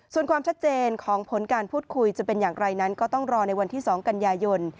ส่วนความชัดเจนของผลการพูดคุยจะเป็นอย่างไรนั้นก็ต้องรอในวันที่๒กันยายน